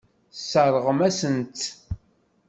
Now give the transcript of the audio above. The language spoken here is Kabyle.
Tesseṛɣem-asent-tt.